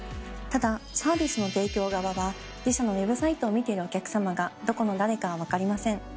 ただサービスの提供側は自社のＷｅｂサイトを見てるお客様がどこの誰かは分かりません。